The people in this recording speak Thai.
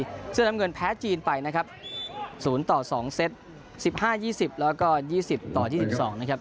เชื่อดำเงินแพ้จีนไปนะครับศูนย์ต่อสองเซตสิบห้ายี่สิบแล้วก็ยี่สิบต่อยี่สิบสองนะครับ